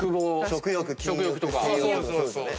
食欲禁欲とかね。